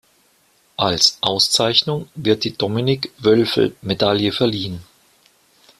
Als Auszeichnung wird die "Dominik-Wölfel-Medaille" verliehen.